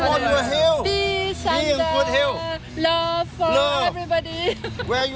สิ่งที่สำหรับโลกหรือไม่รู้